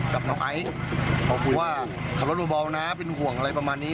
กับน้องไอซ์เขาคุยว่าขับรถเบานะเป็นห่วงอะไรประมาณนี้